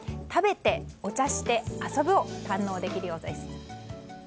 食べて、お茶して、遊ぶを堪能できるようです。